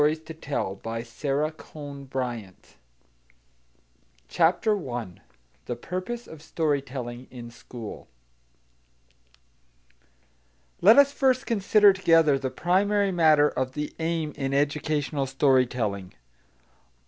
HOW TO TELL STORIES TO CHILDREN CHAPTER I THE PURPOSE OF STORY TELLING IN SCHOOL Let us first consider together the primary matter of the aim in educational story telling.